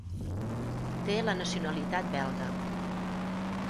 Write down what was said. Té la nacionalitat belga.